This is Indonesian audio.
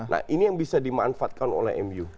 nah ini yang bisa dimanfaatkan oleh mu